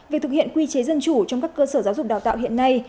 việc thực hiện quy chế dân chủ trong các cơ sở giáo dục đào tạo hiện nay